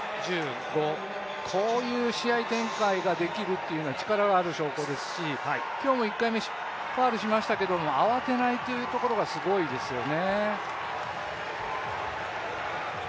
こういう試合展開ができるというのは力がある証拠ですし、今日も１回目ファウルしましたけど慌てないところがすごいですよね